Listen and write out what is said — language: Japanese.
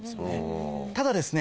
ただですね